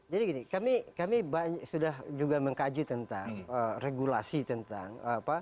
jadi gini kami sudah juga mengkaji tentang regulasi tentang